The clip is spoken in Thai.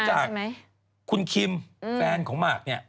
นอกจากคุณคิมแฟนของมาร์คนี้